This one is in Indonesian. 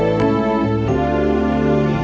a b kuadrat